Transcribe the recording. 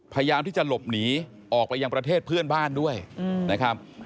พยายามที่จะหลบหนีออกไปยังประเทศเพื่อนบ้านด้วยนะครับ